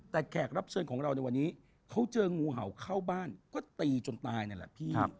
แต่แขกรับเชิญของเราในวันนี้เขาเจองูเห่าเข้าบ้านก็ตีจนตายนั่นแหละพี่